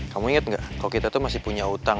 kamu inget gak kalau kita masih punya utang